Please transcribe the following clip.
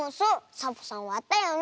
サボさんわったよね。